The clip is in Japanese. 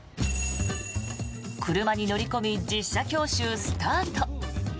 車に乗り込み実車教習スタート。